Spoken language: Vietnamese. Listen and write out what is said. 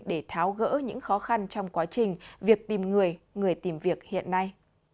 để tháo gỡ những khó khăn trong quá trình việc tìm người người tìm việc hiện nay